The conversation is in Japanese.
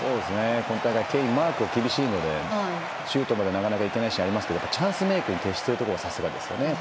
この大会マークが厳しいのでシュートまで、なかなか行けないシーンがありますけどチャンスメークに徹しているところがすばらしいですね。